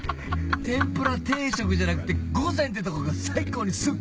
「天ぷら定食」じゃなくて「御膳」ってとこが最高に好き。